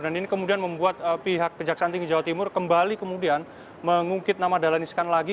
dan ini kemudian membuat pihak kejaksaan tinggi jawa timur kembali kemudian mengungkit nama dahlan iskan lagi